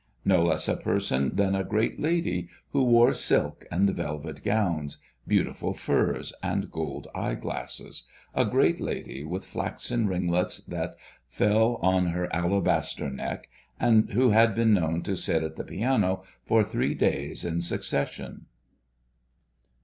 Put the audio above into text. No less a person than a great lady who wore silk and velvet gowns, beautiful furs and gold eyeglasses, a great lady with flaxen ringlets that fell on her alabaster neck, and who had been known to sit at the piano for three days in succession.